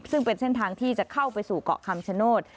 ซึ่งเป็นเส้นทางที่จะเข้าไปสู่เกาะคำชโนธ